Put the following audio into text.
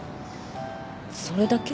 それだけ？